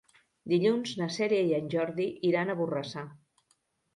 Dilluns na Cèlia i en Jordi iran a Borrassà.